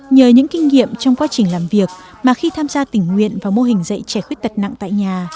nhờ những kinh nghiệm trong quá trình làm việc mà khi tham gia tình nguyện vào mô hình dạy trẻ khuyết tật nặng tại nhà